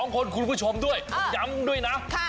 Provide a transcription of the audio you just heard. ๒คนคุณผู้ชมด้วยผมย้ำด้วยนะ